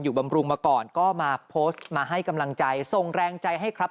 บำรุงมาก่อนก็มาโพสต์มาให้กำลังใจส่งแรงใจให้ครับ